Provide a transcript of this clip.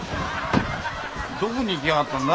どこに行きやがったんだ？